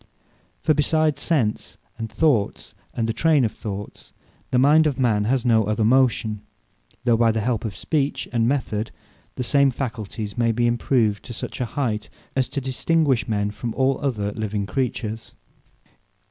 For besides Sense, and Thoughts, and the Trayne of thoughts, the mind of man has no other motion; though by the help of Speech, and Method, the same Facultyes may be improved to such a height, as to distinguish men from all other living Creatures.